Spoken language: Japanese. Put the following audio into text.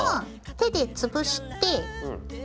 手で潰して。